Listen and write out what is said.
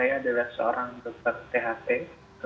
tni indonesia yang sudah mencoba bekerja sama dengan saya